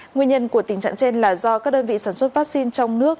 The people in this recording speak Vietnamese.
nguyên nhân của tình trạng trên là do các đơn vị sản xuất vaccine trong nước